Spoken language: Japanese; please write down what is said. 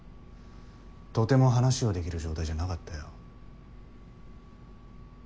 とても話を出来る状態じゃなかったよ。